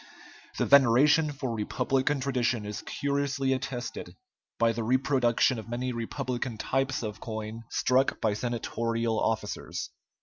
The veneration for republican tradition is curiously attested by the reproduction of many republican types of coin struck by senatorial officers.